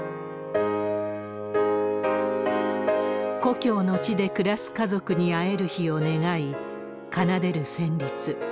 故郷の地で暮らす家族に会える日を願い、奏でる旋律。